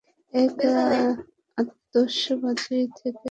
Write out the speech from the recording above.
এক আতসবাজি থেকে অন্য।